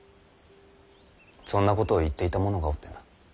そんなことを言っていた者がおってな。